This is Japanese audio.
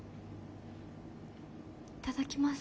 いただきます。